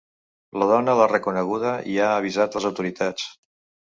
La dona l’ha reconeguda i ha avisat les autoritats.